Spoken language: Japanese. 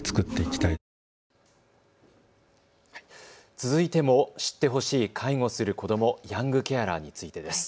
続いても知ってほしい介護する子ども、ヤングケアラーについてです。